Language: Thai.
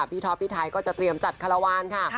ท็อปพี่ไทยก็จะเตรียมจัดคาราวานค่ะ